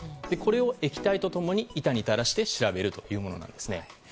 これを液体と共に板にたらして調べるというものなんですね。